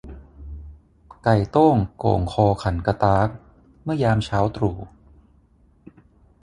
ไก่โต้งโก่งคอขันกะต๊าก เมื่อยามเช้าตรู่